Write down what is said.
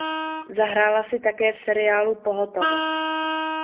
Zahrála si také v seriálu "Pohotovost".